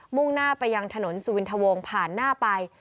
่งหน้าไปยังถนนสุวินทวงผ่านหน้าไป